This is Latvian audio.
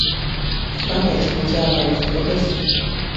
Kāpēc mums jābrauc uz Odesu?